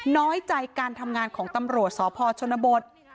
น้อยใจการทำงานของตำรวจสพชนบท